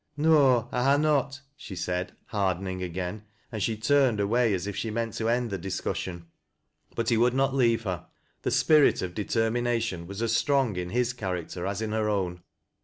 "No, I ha' not," she said, hardening again, and she tamed away as if she meant to end the discussion. But he would not leave her. The spirit of determination was as strong in his character as in her own.